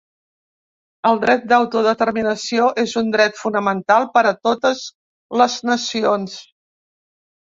El dret d’autodeterminació és un dret fonamental per a totes les nacions.